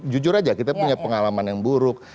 jujur aja kita punya pengalaman yang buruk